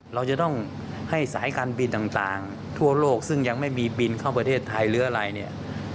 เราจะต้องให้สายการบินต่างทั่วโลกซึ่งยังไม่มีบินเข้าประเทศไทยหรืออะไรเนี่ย